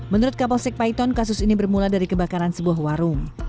menurut kapolsek paiton kasus ini bermula dari kebakaran sebuah warung